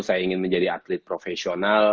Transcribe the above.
saya ingin menjadi atlet profesional